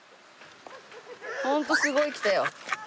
ホントすごい来たよ。